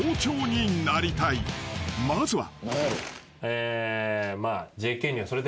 ［まずは］